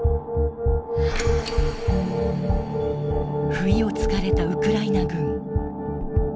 不意をつかれたウクライナ軍。